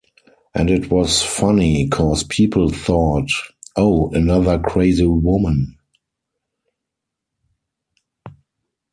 And it was funny, 'cause people thought, 'Oh, another crazy woman.